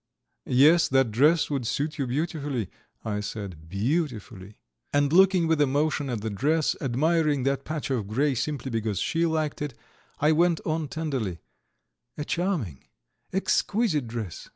"Yes, that dress would suit you beautifully," I said, "beautifully." And looking with emotion at the dress, admiring that patch of grey simply because she liked it, I went on tenderly: "A charming, exquisite dress!